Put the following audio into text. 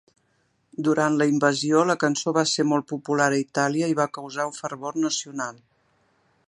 Durant la invasió, la cançó va ser molt popular a Itàlia i va causar un fervor nacional.